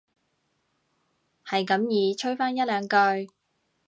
係咁依吹返一兩句